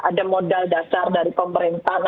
ada modal dasar dari pemerintahan